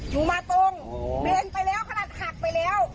หนูมาตรงเบนไปแล้วขนาดหักไปแล้ว